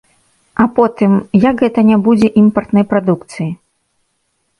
А потым, як гэта не будзе імпартнай прадукцыі?